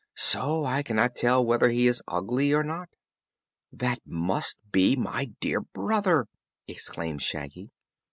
So I cannot tell whether he is ugly or not." "That must be my dear brother!" exclaimed Shaggy.